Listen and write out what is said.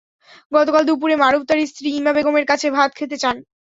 গতকাল দুপুরে মারুফ তাঁর স্ত্রী ইমা বেগমের কাছে ভাত খেতে চান।